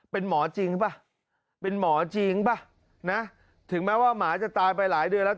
เป็นหมอจริงป่ะถึงแม้ว่าหมาจะตายไปหลายเดือนแล้ว